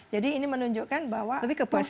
jadi ini menunjukkan bahwa proses kaderisasi